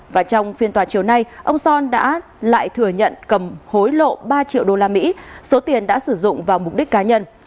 và trong phiên tòa chiều nay ông son đã lại thừa nhận cầm hối lộ ba triệu usd số tiền đã sử dụng vào mục đích cá nhân